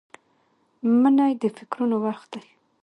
منی د فکرونو وخت دی